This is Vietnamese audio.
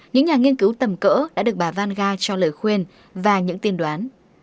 những nhà nghiên cứu tầm cỡ đã được bà vanga cho lời khuyên và những tin đoán